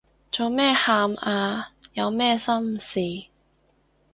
做咩喊啊？有咩心事